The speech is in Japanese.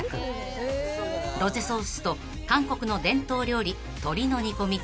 ［ロゼソースと韓国の伝統料理鶏の煮込み